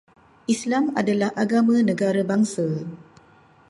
Islam adalah agama negara bangsa